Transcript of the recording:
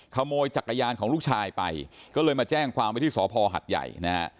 ขโมยจักรยานของลูกชายไปก็เลยมาแจ้งความไว้ที่สพหัดใหญ่นะฮะ